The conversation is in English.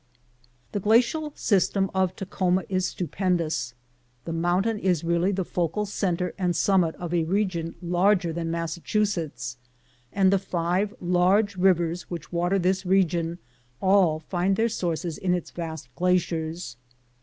The glacial system of TaUioma is stupendous. The mountain is really the focal centre ana summit of a region larger than Massachusetts, and the five large rivers which water this region all find their sources in its vast glaciers.